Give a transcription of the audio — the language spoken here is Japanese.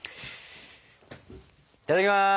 いただきます！